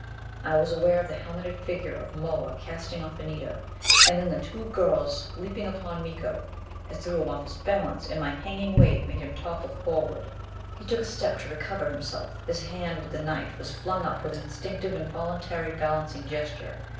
I was aware of the helmeted figure of Moa casting off Anita and then the two girls leaping upon Miko. It threw him off his balance, and my hanging weight made him topple forward. He took a step to recover himself; his hand with the knife was flung up with an instinctive, involuntary balancing gesture.